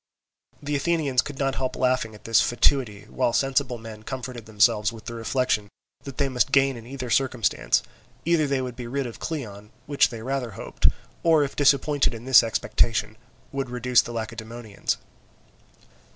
The Athenians could not help laughing at his fatuity, while sensible men comforted themselves with the reflection that they must gain in either circumstance; either they would be rid of Cleon, which they rather hoped, or if disappointed in this expectation, would reduce the Lacedaemonians.